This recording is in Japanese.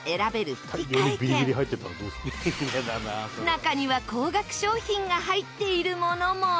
中には高額商品が入っているものも。